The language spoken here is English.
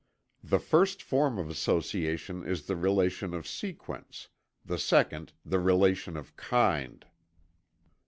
The first form of association is the relation of sequence the second the relation of kind.